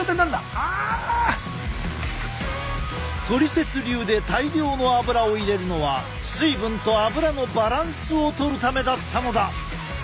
トリセツ流で大量の油を入れるのは水分と油のバランスをとるためだったのだ！